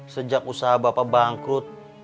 sejak usaha bapak bangkrut